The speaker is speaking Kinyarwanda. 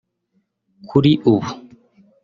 Kuri ubu